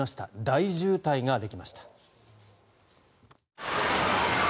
大渋滞ができました。